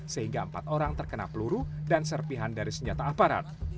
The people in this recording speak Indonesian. sehingga empat orang terkena peluru dan serpihan dari senjata aparat